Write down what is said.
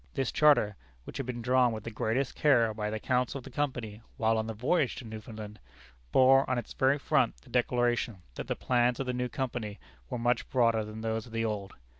This charter which had been drawn with the greatest care by the counsel of the Company, while on the voyage to Newfoundland bore on its very front the declaration that the plans of the new Company were much broader than those of the old.